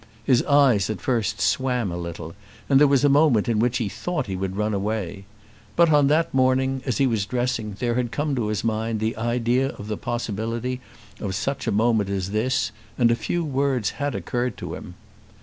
His eyes at first swam a little, and there was a moment in which he thought he would run away. But, on that morning, as he was dressing, there had come to his mind the idea of the possibility of such a moment as this, and a few words had occurred to him.